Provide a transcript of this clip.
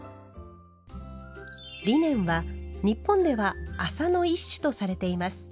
リネンは日本では「麻」の１種とされています。